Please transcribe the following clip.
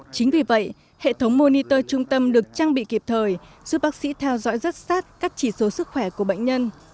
chính vì vậy hệ thống mooniter trung tâm được trang bị kịp thời giúp bác sĩ theo dõi rất sát các chỉ số sức khỏe của bệnh nhân